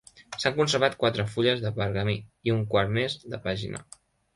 S'han conservat quatre fulles de pergamí i un quart més de pàgina.